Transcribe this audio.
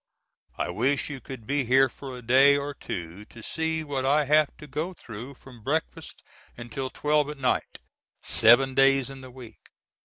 I wish you could be here for a day or two to see what I have to go through from breakfast until twelve at night, seven days in the week.